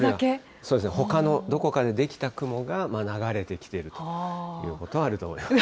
ほかのどこかで出来た雲が流れてきているということはあると思いますが。